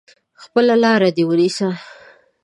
خپله لار دي ونیسه !